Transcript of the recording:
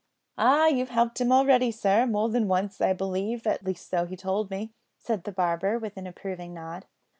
"Ah! you've helped him already, sir, more than once, I believe; at least so he told me," said the barber, with an approving nod.